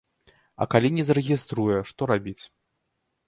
А калі не зарэгіструе, што рабіць?